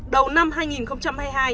đầu năm hai nghìn hai mươi hai